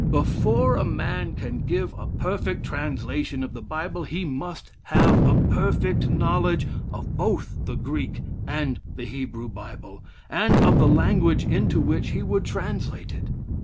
Before a man can give a perfect translation of the Bible, he must have a perfect knowledge of both the Greek and Hebrew Bible, and of the language into which he would translate it.